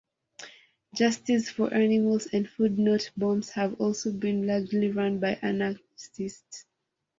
Justice for Animals and Food Not Bombs have also been largely run by anarchists.